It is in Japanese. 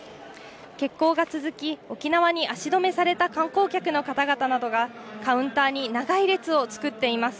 欠航が続き、沖縄に足止めされた観光客の方々などが、カウンターに長い列を作っています。